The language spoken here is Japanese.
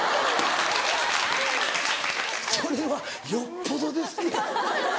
それはよっぽどですよ。